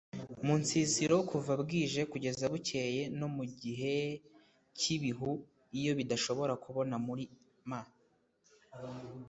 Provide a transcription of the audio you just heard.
munsisiro kuva bwije kugeza bukeye no mugihe cyibihu iyo bidashobora kubona muri m